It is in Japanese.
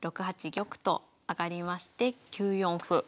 ６八玉と上がりまして９四歩。